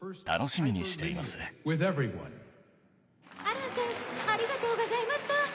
アランさんありがとうございました！